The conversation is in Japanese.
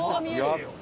やった！